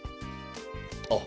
あっ。